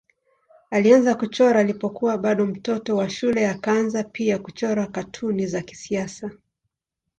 Alianza kuchora alipokuwa bado mtoto wa shule akaanza pia kuchora katuni za kisiasa.